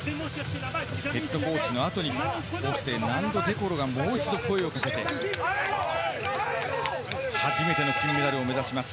ヘッドコーチの後にナンド・デ・コロがもう一度声をかけて、初めての金メダルを目指します。